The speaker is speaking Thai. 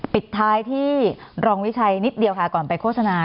ปิดท้ายที่รองวิชัยนิดเดียวค่ะก่อนไปโฆษณา